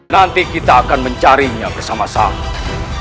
nanti kita akan mencarinya bersama sama